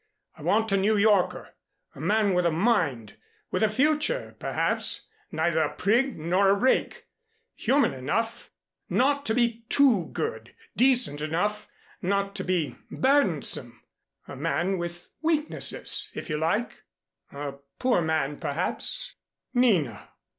I want a New Yorker a man with a mind with a future, perhaps, neither a prig nor a rake human enough not to be too good, decent enough not to be burdensome a man with weaknesses, if you like, a poor man, perhaps " "Nina.